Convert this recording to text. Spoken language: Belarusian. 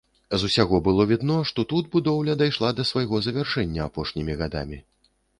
З усяго было відно, што тут будоўля дайшла да свайго завяршэння апошнімі гадамі.